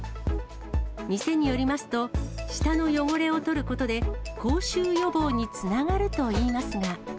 店によりますと、舌の汚れを取ることで、口臭予防につながるといいますが。